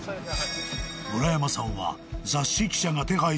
［村山さんは雑誌］